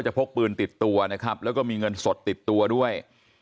พกปืนติดตัวนะครับแล้วก็มีเงินสดติดตัวด้วย